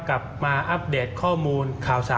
มาอัปเดตข้อมูลข่าวสาร